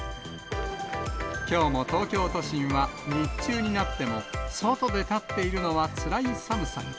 きょうも東京都心は日中になっても、外で立っているのはつらい寒さに。